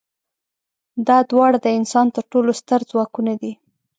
دا دواړه د انسان تر ټولو ستر ځواکونه دي.